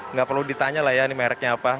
nggak perlu ditanya lah ya ini mereknya apa